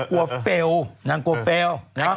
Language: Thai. กลัวเฟลนางกลัวเฟล